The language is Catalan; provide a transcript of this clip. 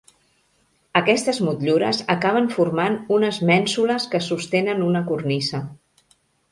Aquestes motllures acaben formant unes mènsules que sostenen una cornisa.